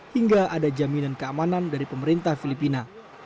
hingga ada jaminan keamanan dari pemerintah filipina